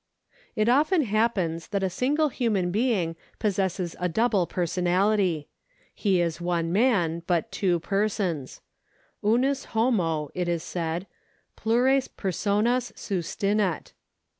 It often happens that a single human being possesses a double personality. He is one man, but two persons. Unus homo, it is said, plures personas sustinet.